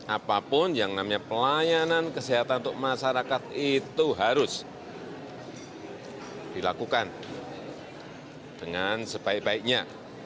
apapun yang namanya pelayanan kesehatan untuk masyarakat itu harus dilakukan dengan sebaik baiknya